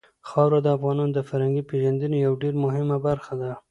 خاوره د افغانانو د فرهنګي پیژندنې یوه ډېره مهمه برخه ده.